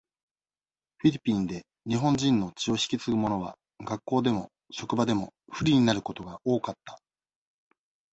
フィリピンで、日本人の血を引き継ぐものは、学校でも、職場でも、不利になることが多かった。